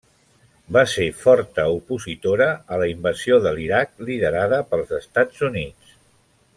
Va ser forta opositora a la invasió de l'Iraq, liderada pels Estats Units.